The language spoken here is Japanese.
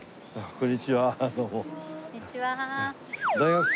こんにちは。